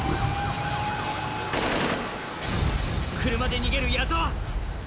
車で逃げる矢沢。